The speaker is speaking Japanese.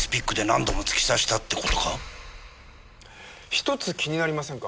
１つ気になりませんか？